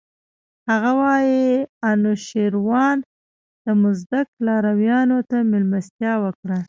هغه وايي انوشیروان د مزدک لارویانو ته مېلمستیا وکړه.